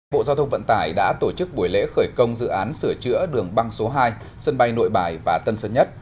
bộ giao thông vận tải đã tổ chức buổi lễ khởi công dự án sửa chữa đường băng số hai sân bay nội bài và tân sơn nhất